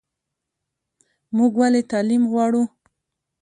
موږ ولې تعلیم غواړو؟